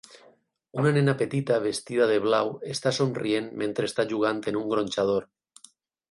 Una nena petita vestida de blau està somrient mentre està jugant en un gronxador.